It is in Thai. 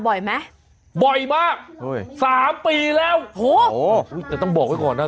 บ่อยไหมบ่อยมากเฮ้ยสามปีแล้วโอ้โหแต่ต้องบอกไว้ก่อนนะ